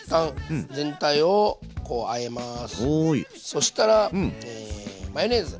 そしたらマヨネーズ。